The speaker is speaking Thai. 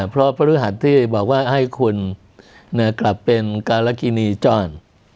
เพราะพระพฤหัสที่บอกว่าให้คุณกลับเป็นกาลักษณีย์จ้อน